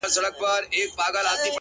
سیاه پوسي ده خاوند یې ورک دی ـ